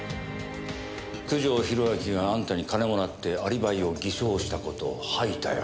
九条宏明があんたに金もらってアリバイを偽証した事を吐いたよ。